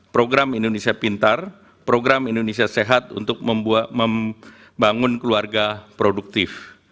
program indonesia pintar program indonesia sehat untuk membangun keluarga produktif